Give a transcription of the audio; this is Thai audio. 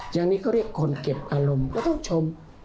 อย่างนี้เขาเรียกคนเก็บอารมณ์ก็ต้องชม